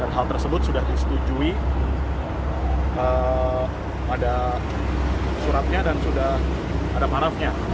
dan hal tersebut sudah disetujui pada suratnya dan sudah ada parafnya